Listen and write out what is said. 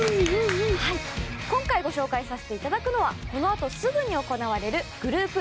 今回、ご紹介させていただくのはこのあとすぐに行われるグループＡ